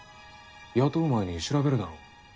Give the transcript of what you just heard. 雇う前に調べるだろ。